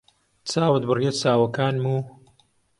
چاوت بڕیە چاوەکانم و